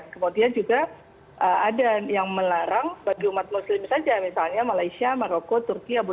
denda dua ratus juta rupiah